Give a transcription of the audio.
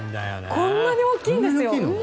こんなに大きいんですよ！